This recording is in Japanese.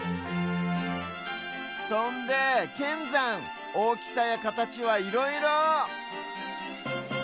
そんでけんざんおおきさやかたちはいろいろ！